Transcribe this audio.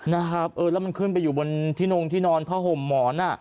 แล้วมันขึ้นไปอยู่บนที่นมที่นอนท่าห่มหมอน